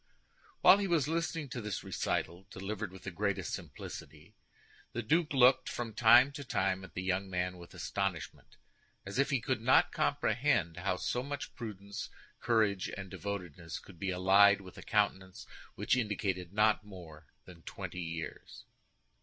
While he was listening to this recital, delivered with the greatest simplicity, the duke looked from time to time at the young man with astonishment, as if he could not comprehend how so much prudence, courage, and devotedness could be allied with a countenance which indicated not more than twenty years.